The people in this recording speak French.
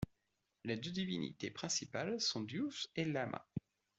Les deux divinités principales sont Dievs et Laima.